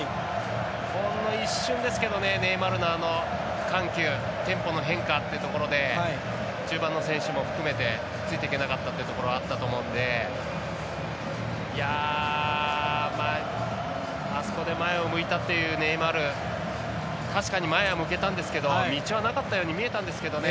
ほんの一瞬ですけどネイマールの緩急テンポの変化というところで中盤の選手も含めてついていけなかったというところもあったと思うのであそこで前を向いたっていうネイマール確かに前は向けたんですけど道はなかったように見えたんですけどね。